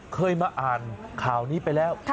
เคยมาอ่านข่าวนี้ไปแล้ว